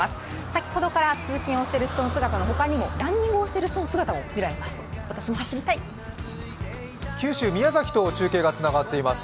先ほどから通勤をしている人の他にもランニングをしている人の姿も見られます。